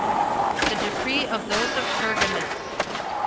The decree of those of Pergamus.